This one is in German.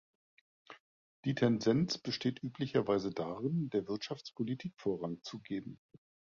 Die Tendenz besteht üblicherweise darin, der Wirtschaftspolitik Vorrang zu geben.